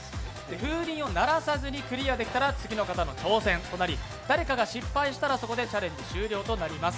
風鈴を鳴らさずにクリアできたら次の方の挑戦となり、誰かが失敗したらそこでチャレンジ終了となります。